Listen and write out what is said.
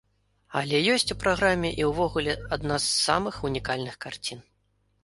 Але ёсць у праграме і ўвогуле адна з самых унікальных карцін.